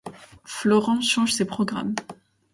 Florent change ses programmes.